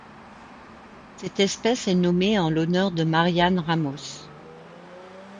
Cette espèce est nommée en l'honneur de Marian Ramos.